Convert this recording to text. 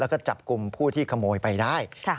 แล้วก็จับกลุ่มผู้ที่ขโมยไปได้